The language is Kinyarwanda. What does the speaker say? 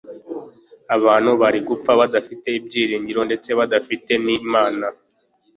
abantu bari gupfa badafite ibyiringiro ndetse badafite nImana